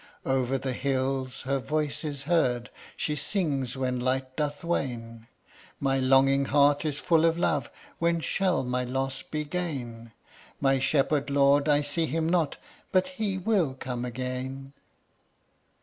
Over the hills her voice is heard, She sings when light doth wane: "My longing heart is full of love. When shall my loss be gain? My shepherd lord, I see him not, But he will come again."